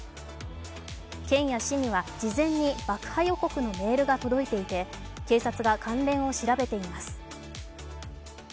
県や市には事前に爆破予告のメールが届いていて警察が関連を調べています。